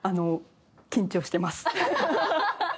緊張しています。